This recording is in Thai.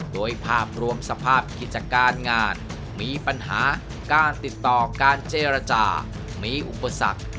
โดยภาพรวมสภาพกิจการงานมีปัญหาการติดต่อการเจรจามีอุปสรรค